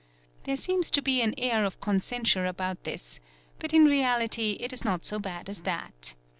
There seems to be an air of censure about this, but in reality it is not so bad as that.